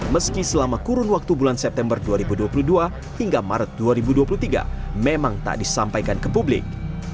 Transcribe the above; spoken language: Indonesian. meski selama kurun waktu bulan september dua ribu dua puluh dua hingga maret dua ribu dua puluh tiga memang tak disampaikan ke publik